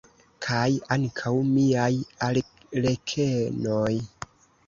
Kaj ankaŭ miaj arlekenoj!